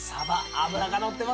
脂がのってます